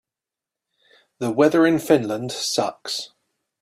The weather in Finland sucks.